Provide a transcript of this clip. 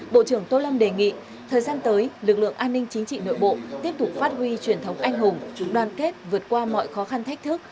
bộ trưởng tô lâm đề nghị thời gian tới lực lượng an ninh chính trị nội bộ tiếp tục phát huy truyền thống anh hùng chúng đoàn kết vượt qua mọi khó khăn thách thức